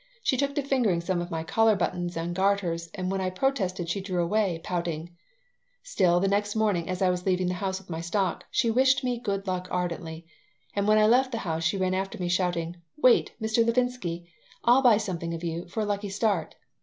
She took to fingering some of my collar buttons and garters, and when I protested she drew away, pouting Still, the next morning, as I was leaving the house with my stock, she wished me good luck ardently; and when I left the house she ran after me, shouting: "Wait, Mr. Levinsky. I'll buy something of you 'for a lucky start.'"